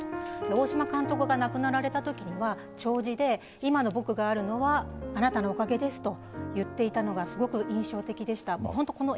大島監督が亡くなられたときには、弔辞で今の僕があるのは、あなたのおかげですと言っていたのがすごく印象的でした。